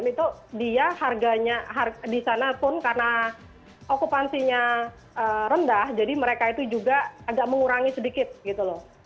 itu dia harganya di sana pun karena okupansinya rendah jadi mereka itu juga agak mengurangi sedikit gitu loh